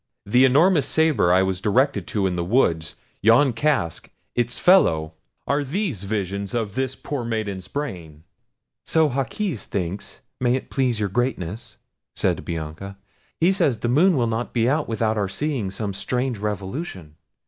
The enormous sabre I was directed to in the wood, yon casque, its fellow—are these visions of this poor maiden's brain?" "So Jaquez thinks, may it please your Greatness," said Bianca. "He says this moon will not be out without our seeing some strange revolution.